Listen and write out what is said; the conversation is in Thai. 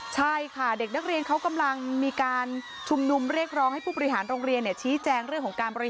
ใช่ค่ะเด็กนักเรียนเขากำลังมีการ